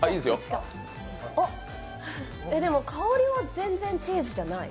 香りは全然チーズじゃない。